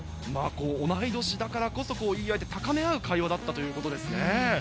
同い年だからこそ言い合いで高め合う会話だったということですね。